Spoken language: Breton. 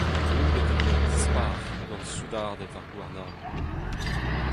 Mouget e voe an dispac'h gant soudarded ar gouarnamant.